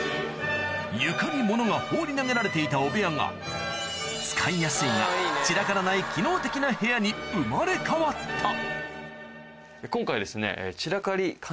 床に物が放り投げられていた汚部屋が使いやすいが散らからない機能的な部屋に生まれ変わった今回は。